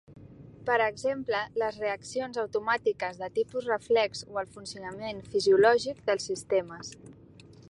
Per exemple, les reaccions automàtiques de tipus reflex o el funcionament fisiològic dels sistemes.